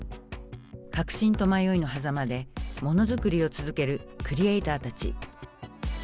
確信と迷いのはざまでものづくりを続けるクリエーターたち。